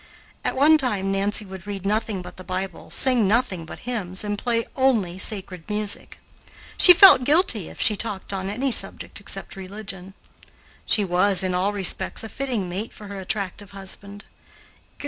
At one time Nancy would read nothing but the Bible, sing nothing but hymns, and play only sacred music. She felt guilty if she talked on any subject except religion. She was, in all respects, a fitting mate for her attractive husband.